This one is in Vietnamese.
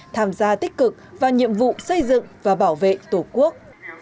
tham gia tích cực vào nhiệm vụ xây dựng và bảo vệ tổ quốc